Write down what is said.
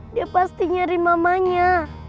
dia pasti nyari mamanya